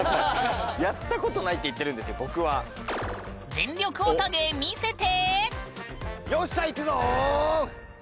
全力ヲタ芸見せて！